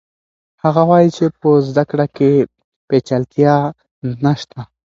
هغه وایي چې په زده کړه کې پیچلتیا نشته.